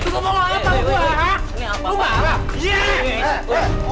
lu mau apa sama gua ha